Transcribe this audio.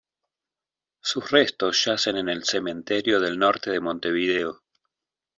Sus restos yacen en el Cementerio del Norte de Montevideo.